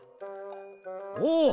おお！